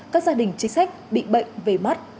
các gia đình chính sách bị bệnh về mắt